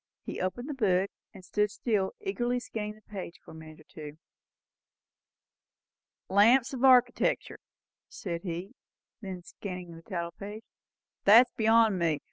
He opened the book, and stood still, eagerly scanning the page, for a minute or two. "'Lamps of Architectur'," said he, looking then at the title page; "that's beyond me.